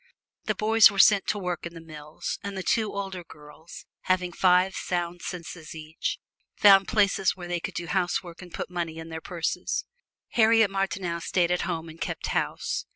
The boys were sent to work in the mills, and the two older girls, having five sound senses each, found places where they could do housework and put money in their purses. Harriet Martineau stayed at home and kept house.